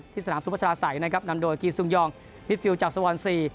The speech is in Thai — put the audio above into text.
ที่สนามสุโปร์ชาตาใส่นะครับนำโดยกีสุงยองวิทฟิลด์จับสวรรค์๔